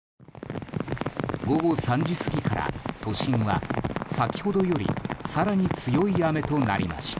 午後３時過ぎから都心は先ほどより更に強い雨となりました。